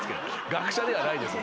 学者ではないです。